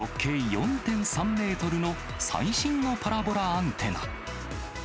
中で動いていたのは、直径４．３メートルの最新のパラボラアンテナ。